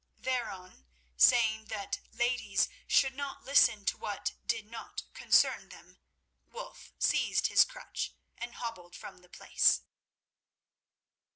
Thereon, saying that ladies should not listen to what did not concern them, Wulf seized his crutch and hobbled from the place.